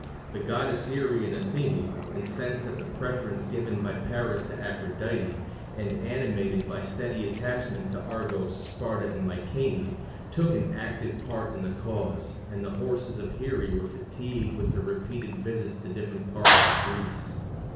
The goddesses Here and Athene, incensed at the preference given by Paris to Aphrodite, and animated by steady attachment to Argos, Sparta, and Mycenæ, took an active part in the cause, and the horses of Here were fatigued with her repeated visits to the different parts of Greece.